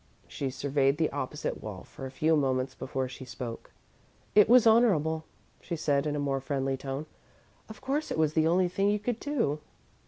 She surveyed the opposite wall for a few moments before she spoke. "It was honourable," she said, in a more friendly tone. "Of course it was the only thing you could do."